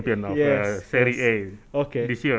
apa yang kamu inginkan untuk menjelaskan